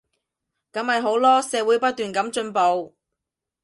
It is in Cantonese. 噉咪好囉，社會不斷噉進步